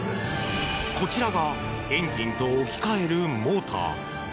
こちらがエンジンと置き換えるモーター。